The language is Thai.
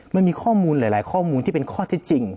มันมีข้อมูลหลายข้อมูลที่เป็นข้อเท็จจริง